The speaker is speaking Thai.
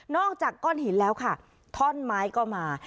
อกจากก้อนหินแล้วค่ะท่อนไม้ก็มา